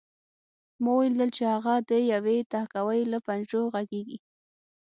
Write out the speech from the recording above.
ما ولیدل چې هغه د یوې تهکوي له پنجرو غږېږي